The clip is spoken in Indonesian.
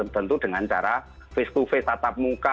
tentu dengan cara face to face tatap muka